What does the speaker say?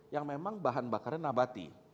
yang memang bahan bakarnya nabati